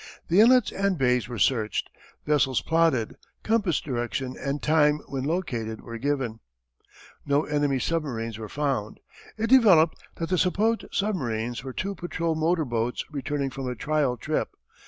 The inlets and bays were searched, vessels plotted, compass direction and time when located were given. No enemy submarines were found. It developed that the supposed submarines were two patrol motor boats returning from a trial trip.